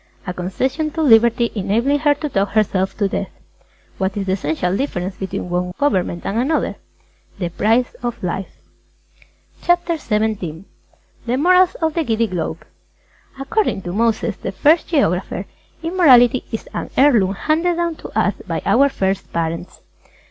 _ A. A concession to Liberty enabling her to talk herself to death. Q. What is the essential difference between one government and another? A. The price of life. CHAPTER XVII THE MORALS OF THE GIDDY GLOBE According to Moses, the First Geographer, Immorality is an heirloom handed down to us by our First Parents.